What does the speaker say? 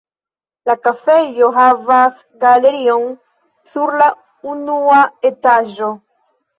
La kafejo havas galerion sur la unua etaĝo.